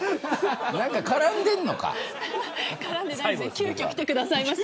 急きょ来てくださいました。